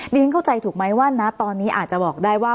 ฉันเข้าใจถูกไหมว่านะตอนนี้อาจจะบอกได้ว่า